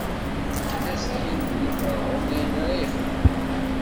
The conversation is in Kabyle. Ibeggen-as-d Yillu i Ferɛun, ayen ara yexdem.